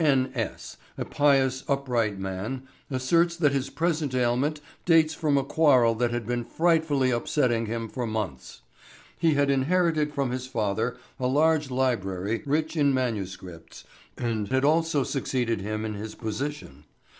N. S., a pious, upright man, asserts that his present ailment dates from a quarrel that had been frightfully upsetting him for months. He had inherited from his father a large library rich in manuscripts, and had also succeeded him in his position.